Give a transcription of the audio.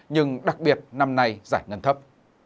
nhưng đặc biệt năm nay giải ngân thấp